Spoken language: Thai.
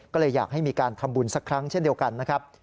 ก็เลยอยากให้มีการทำบุญสักครั้งเช่นเดียวกันนะครับ